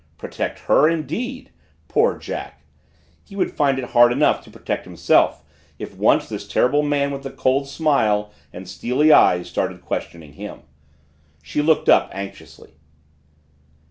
Protect her, indeed! Poor Jack! He would find it hard enough to protect himself if once this terrible man with the cold smile and steely eyes started questioning him. She looked up anxiously.